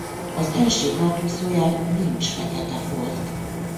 Az első hátúszóján nincs fekete folt.